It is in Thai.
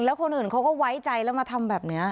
แล้วคนอื่นเขาก็ไว้ใจแล้วมาทำแบบนี้